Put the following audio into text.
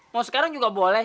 mau sekarang juga boleh